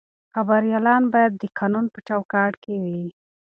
خبریالان باید د قانون په چوکاټ کې وي.